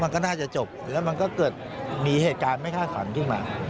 มันก็น่าจะจบแล้วมันก็เกิดมีเหตุการณ์ไม่คาดฝันขึ้นมา